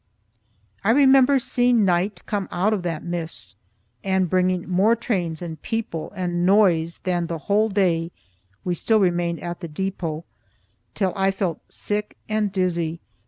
I remember seeing night come out of that mist, and bringing more trains and people and noise than the whole day (we still remained at the depot), till I felt sick and dizzy.